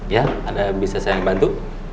ya ada bisa saya bantu